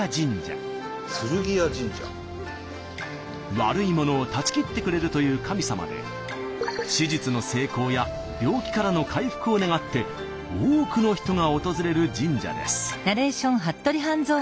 悪いものを断ち切ってくれるという神様で手術の成功や病気からの回復を願って多くの人が訪れる神社です。